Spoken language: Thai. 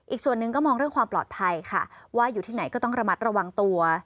อีกส่วนหนึ่งก็มองเรื่องความปลอดภัยค่ะว่าอยู่ที่ไหนก็ต้องระมัดระวังตัว